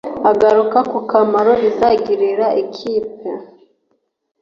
Agaruka ku kamaro bizagirira ikipe